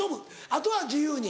あとは自由に。